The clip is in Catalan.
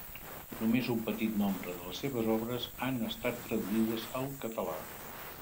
Només un petit nombre de les seves obres han estat traduïdes al català.